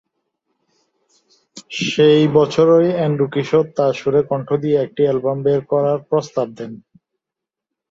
সে বছরই এন্ড্রু কিশোর তার সুরে কণ্ঠ দিয়ে একটি অ্যালবাম বের করার প্রস্তাব দেন।